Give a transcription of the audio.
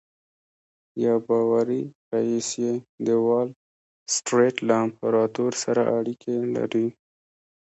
یو باوري ريیس یې د وال سټریټ له امپراتور سره اړیکې لري